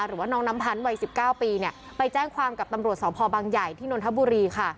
หรือว่าน้องน้ำพันธ์วัย๑๙ปีเนี่ยไปแจ้งความกับตำรวจสพบังใหญ่ที่นนทบุรีค่ะ